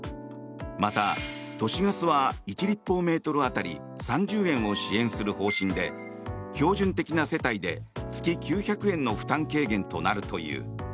また、都市ガスは１立方メートル当たり３０円を支援する方針で標準的な世帯で月９００円の負担軽減となるという。